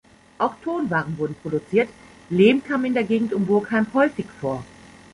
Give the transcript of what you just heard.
Auch Tonwaren wurden produziert, Lehm kam in der Gegend um Burgheim häufig vor.